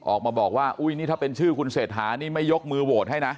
ออกมาบอกว่าอุ้ยนี่ถ้าเป็นชื่อคุณเศรษฐานี่ไม่ยกมือโหวตให้นะ